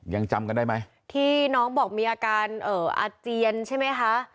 ยังจำกันได้ไหมที่น้องบอกมีอาการเอ่ออาเจียนใช่ไหมคะ